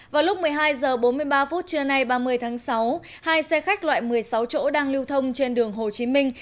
vào lúc một mươi hai h bốn mươi ba phút trưa nay ba mươi tháng sáu hai xe khách loại một mươi sáu chỗ đang lưu thông trên đường hồ chí minh